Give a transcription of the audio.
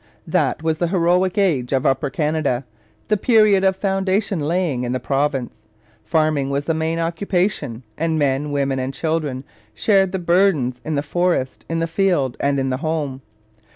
That was the heroic age of Upper Canada, the period of foundation laying in the province. Farming was the main occupation, and men, women, and children shared the burdens in the forest, in the field, and in the home.